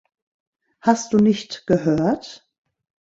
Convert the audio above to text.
Hast du nicht gehört?